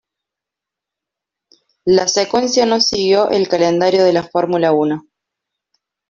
La secuencia no siguió el calendario de la Fórmula Uno.